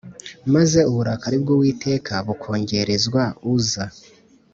Maze uburakari bw’Uwiteka bukongerezwa Uza.